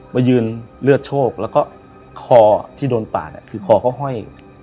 มายืนเลือดโชคแล้วก็คอที่โดนปาดคือคอเขาห้อย